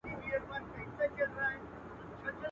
د نادانی عمر چي تېر سي نه راځینه.